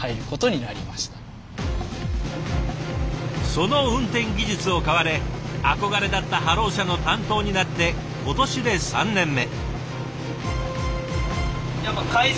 その運転技術を買われ憧れだったハロー車の担当になって今年で３年目。